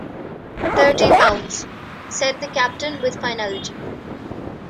Thirty pounds, said the captain with finality.